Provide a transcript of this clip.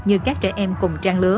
như các trẻ em cùng trang lứa